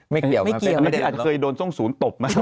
ไม่เกี่ยวนะมันอาจเคยโดนทรงศูนย์ตบมาไง